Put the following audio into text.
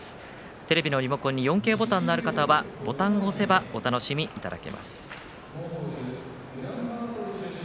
テレビのリモコンに４Ｋボタンがある方はそれを押せば４Ｋの放送をお楽しみいただけます。